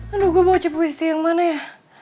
aduh gue baca puisi yang mana ya